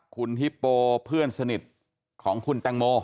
คุณฮิปโปเพื่อนสนิทของคุณแตงโม